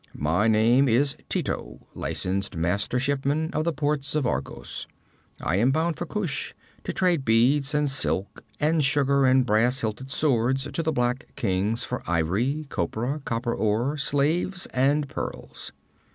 My name is Tito, licensed master shipman of the ports of Argos. I am bound for Kush, to trade beads and silks and sugar and brass hilted swords to the black kings for ivory, copra, copper ore, slaves and pearls.'